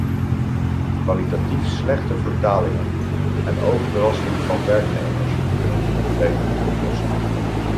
Kwalitatief slechte vertalingen en overbelasting van werknemers kunnen dit probleem niet oplossen.